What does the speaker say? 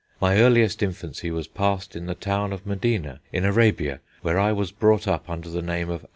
My earliest infancy was passed in the town of Medina, in Arabia, where I was brought up under the name of Acharat."